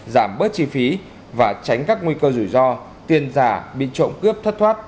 giảm bớt chi phí và tránh các nguy cơ rủi ro tiền giả bị trộm cướp thất thoát